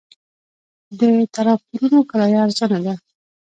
د تراکتورونو کرایه ارزانه ده